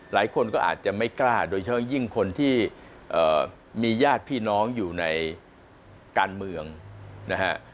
หลายคนก็อาจจะไม่กล้าโดยเฉพาะยิ่งคนที่มีญาติพี่น้องอยู่ในการเมืองนะฮะ